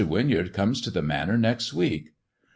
"Winyard comes to the Manor next week."